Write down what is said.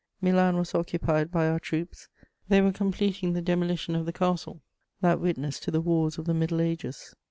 Milan was occupied by our troops; they were completing the demolition of the castle, that witness to the wars of the Middle Ages.